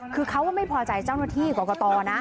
คือเขาก็ไม่พอใจเจ้าหน้าที่กรกตนะ